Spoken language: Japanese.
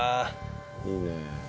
いいね。